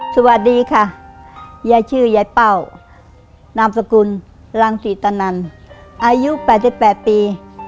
สวัสดีค่ะยายชื่อยายเป้านามสกุลรังศรีตนันอายุ๘๘ปี